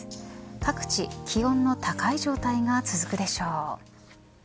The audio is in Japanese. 各地、気温の高い状態が続くでしょう。